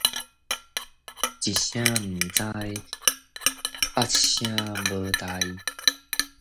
一聲毋知，百聲無代